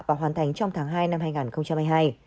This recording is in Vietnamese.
và hoàn thành trong tháng hai năm hai nghìn hai mươi hai